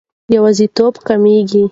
یوازیتوب کمېږي.